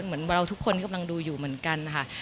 เหมือนเราทุกคนกำลังดูอยู่เหมือนกันนะคะ